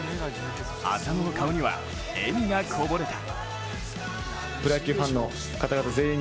浅野の顔には笑みがこぼれた。